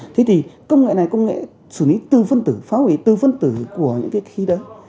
thế thì công nghệ này công nghệ sử lý tư phân tử phá hủy tư phân tử của những cái khí đấy